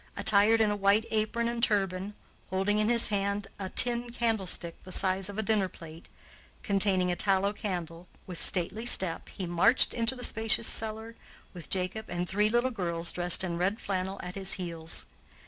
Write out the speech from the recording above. Attired in a white apron and turban, holding in his hand a tin candlestick the size of a dinner plate, containing a tallow candle, with stately step he marched into the spacious cellar, with Jacob and three little girls dressed in red flannel at his heels.